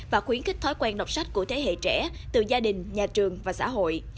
và khuyến khích thói quen đọc sách của thế hệ trẻ từ gia đình nhà trường và xã hội